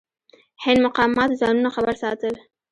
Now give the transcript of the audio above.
هند مقاماتو ځانونه خبر ساتل.